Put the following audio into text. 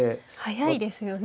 速いですよね。